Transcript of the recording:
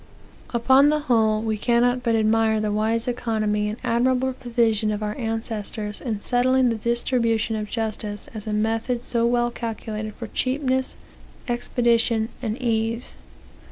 "Upon the whole, we cannot but admire the wise economy and admirable provision of our ancestors in settling the distribution of justice in a method so well calculated for cheapness, expedition, and ease.